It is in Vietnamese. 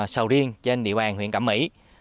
sầu riêng trên địa bàn huyện cẩm mỹ